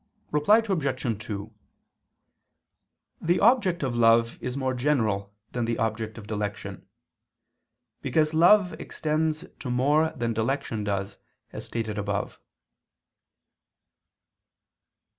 Reply Obj. 2: The object of love is more general than the object of dilection: because love extends to more than dilection does, as stated above.